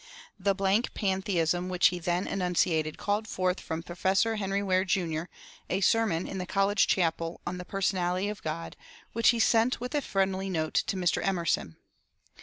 The blank pantheism which he then enunciated called forth from Professor Henry Ware, Jr., a sermon in the college chapel on the personality of God, which he sent with a friendly note to Mr. Emerson.